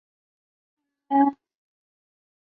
他大约在楚简王时期担任圉县县令。